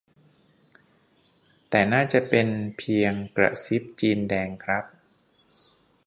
แต่น่าจะเป็นเพียงกระซิบจีนแดงครับ